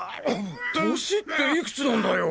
年っていくつなんだよ！？